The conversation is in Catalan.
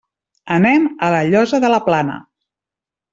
Anem a La Llosa de la Plana.